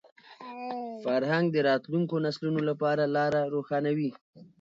فرهنګ د راتلونکو نسلونو لپاره لاره روښانوي.